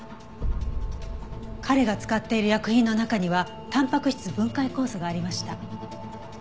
彼が使っている薬品の中にはたんぱく質分解酵素がありました。